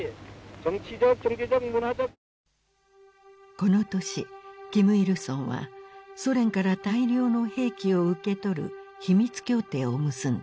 この年金日成はソ連から大量の兵器を受け取る秘密協定を結んだ。